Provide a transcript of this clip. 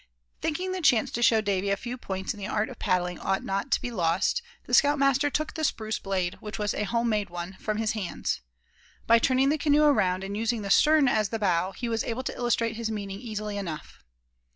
Thinking the chance to show Davy a few points in the art of paddling ought not be lost, the scout master took the spruce blade, which was a home made one, from his hands. By turning the canoe around, and using the stern as the bow, he was able to illustrate his meaning easily enough.